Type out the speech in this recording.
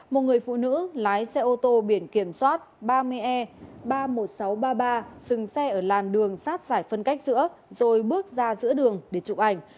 một người phụ nữ lái xe ô tô biển kiểm soát ba mươi e ba mươi một nghìn sáu trăm ba mươi ba dừng xe ở làn đường sát giải phân cách giữa rồi bước ra giữa đường để chụp ảnh